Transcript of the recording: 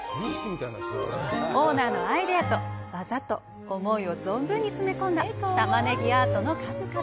オーナーのアイデアと、技と、想いを存分に詰め込んだタマネギアートの数々。